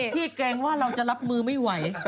เกรงว่าเราจะรับมือไม่ไหว